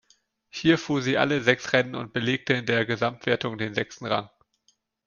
Hier fuhr sie alle sechs Rennen und belegte in der Gesamtwertung den sechsten Rang.